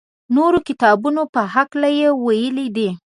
نورو کتابو په هکله یې ویلي دي.